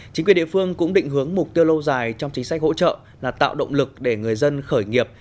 chính quyền địa phương cũng định hướng mục tiêu lâu dài trong chính sách hỗ trợ là tạo động lực để người dân khởi nghiệp